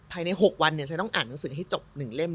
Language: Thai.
ภายใน๖วันฉันต้องอ่านหนังสือให้จบ๑เล่ม